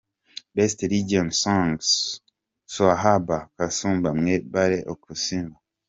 Best Religious Song Swahaba Kasumba – Mwebale Okusiiba.